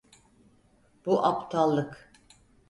Bu aptallık.